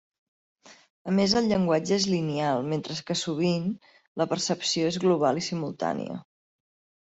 A més el llenguatge és lineal, mentre que sovint la percepció és global i simultània.